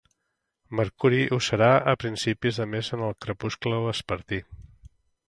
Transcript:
Mercuri ho serà a principis de mes en el crepuscle vespertí